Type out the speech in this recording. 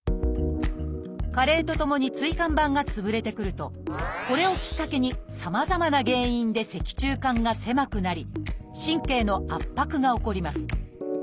加齢とともに椎間板が潰れてくるとこれをきっかけにさまざまな原因で脊柱管が狭くなり神経の圧迫が起こります。